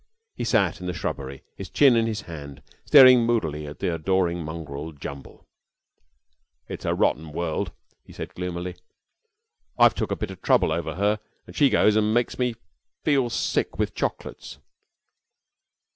He sat in the shrubbery, his chin in his hand, staring moodily at the adoring mongrel, Jumble. "It's a rotten world," he said, gloomily. "I've took a lot of trouble over her and she goes and makes me feel sick with chocolates."